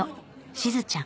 しずちゃん。